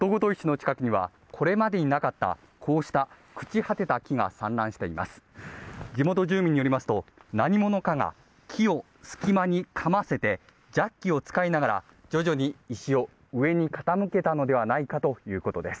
地元住民によりますと、何者かが木を隙間にかませてジャッキを使いながら徐々に石を上に傾けたのではないかということです。